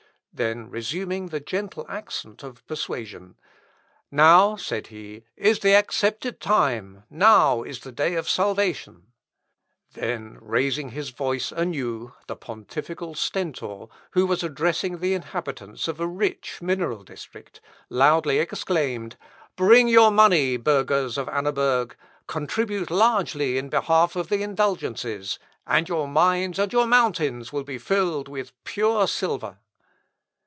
Then resuming the gentle accent of persuasion, "Now," said he, "is the accepted time, now is the day of salvation." Then raising his voice anew, the pontifical Stentor, who was addressing the inhabitants of a rich mineral district, loudly exclaimed, "Bring your money, burghers of Annaberg, contribute largely in behalf of the indulgences, and your mines and your mountains will be filled with pure silver."